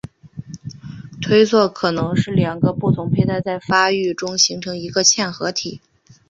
推测可能是两个不同胚胎在发育中形成一个嵌合体。